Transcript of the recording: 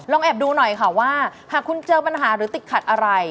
แอบดูหน่อยค่ะว่าหากคุณเจอปัญหาหรือติดขัดอะไร